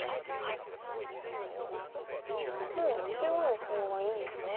もう中央のコウはいいんですね。